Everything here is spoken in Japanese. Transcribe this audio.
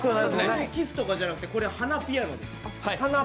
キスとかじゃなくて鼻ピアノです。